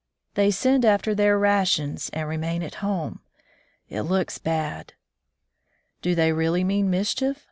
They send after their rations and remain at home. It looks bad.'' "Do they really mean mischief?"